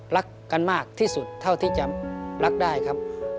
รักกันมากที่สุดเท่าที่จะรักได้ครับ